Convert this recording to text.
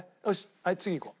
はい次いこう。